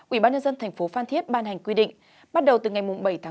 ubnd tp hcm ban hành quy định bắt đầu từ ngày bảy một mươi một